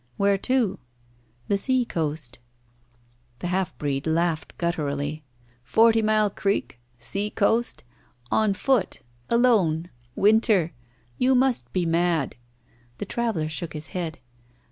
"Where to?" "The sea coast." The half breed laughed gutturally. "Forty Mile Creek. Sea coast. On foot. Alone. Winter. You must be mad." The traveller shook his head.